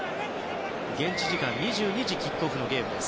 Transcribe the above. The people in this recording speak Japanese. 現地時間２２時キックオフのゲームです。